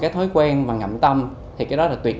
thói quen ngậm tăm là tuyệt vời